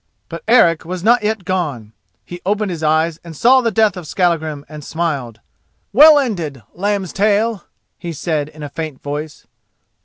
But Eric was not yet gone. He opened his eyes and saw the death of Skallagrim and smiled. "Well ended, Lambstail!" he said in a faint voice.